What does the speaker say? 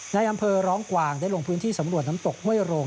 ในอำเภอร้องกวางได้ลงพื้นที่สำรวจน้ำตกห้วยโรง